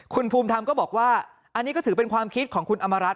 คุณภูมิธรรมก็บอกว่าอันนี้ก็ถือเป็นความคิดของคุณอำมารัฐ